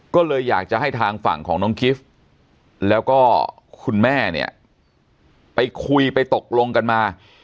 ก็เลยอยากจะให้ทางฝั่งของน้องกิฟต์แล้วก็คุณแม่เนี่ยไปคุยไปตกลงกันมา